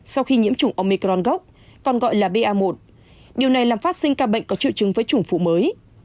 sau khi nhiễm chủng omicron gốc còn gọi là ba một điều này làm phát sinh ca bệnh có triệu chứng với chủng phụ mới